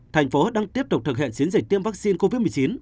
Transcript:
thành phố đang tiếp tục thực hiện chiến dịch tiêm vaccine covid một mươi chín